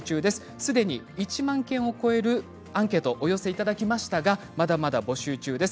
すでに１万件を超えるアンケートをお寄せいただきましたがまだまだ募集中です。